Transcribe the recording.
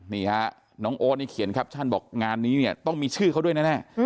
นี่ฮะน้องโอ๊ตนี่เขียนแคปชั่นบอกงานนี้เนี่ยต้องมีชื่อเขาด้วยแน่